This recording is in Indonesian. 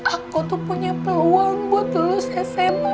aku tuh punya peluang buat berpikir sama mama aku